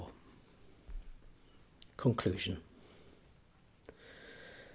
CONCLUSION.